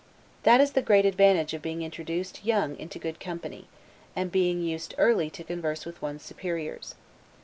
That is the great advantage of being introduced young into good company, and being used early to converse with one's superiors.